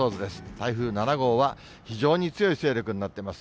台風７号は非常に強い勢力になっています。